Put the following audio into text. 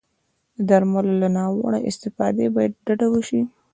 د درملو له ناوړه استفادې باید ډډه وشي.